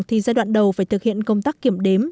thì giai đoạn đầu phải thực hiện công tác kiểm đếm